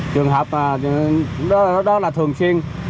trường hợp đó là thường xuyên